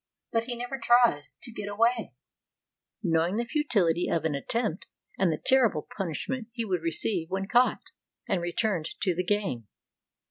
But he never tries to get away, knowing the futility of an attempt, and the terrible punishment he would receive when caught and returned to the gang.